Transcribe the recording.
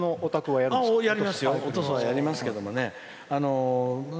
やりますよ、おとそはやりますけどね。